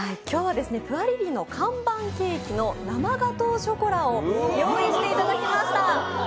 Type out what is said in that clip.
プアリリイの看板ケーキの生ガトーショコラをご用意していただきました。